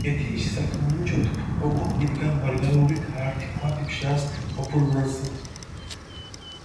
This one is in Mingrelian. ეთიში საქომონჯოთ ოკო, მიდგა მარგალურით ართი ქვაბი ბჟას ოფუნუანსჷნი.